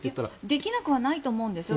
できなくはないと思いますよ